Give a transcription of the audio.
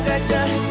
dah beb deh deh